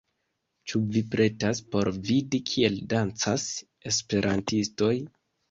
Ĉu vi pretas por vidi kiel dancas esperantistoj